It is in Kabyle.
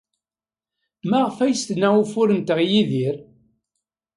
Maɣef ay as-tenna ufur-nteɣ i Yidir?